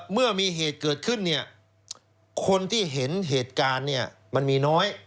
เมื่อมีเหตุเกิดขึ้นเนี่ยคนที่เห็นเหตุการณ์เนี่ยมันมีน้อย